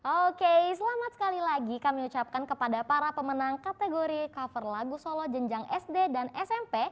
oke selamat sekali lagi kami ucapkan kepada para pemenang kategori cover lagu solo jenjang sd dan smp